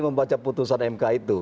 membaca putusan mk itu